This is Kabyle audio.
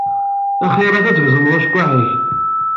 Axiṛ-ak ad tgezmeḍ acekkuḥ-ik.